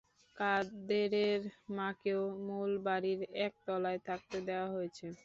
কাদেরের মাকেও মূল বাড়ির একতলায় থাকতে দেয়া হয়েছে।